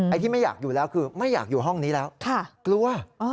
ที่ไม่อยากอยู่แล้วคือไม่อยากอยู่ห้องนี้แล้วกลัว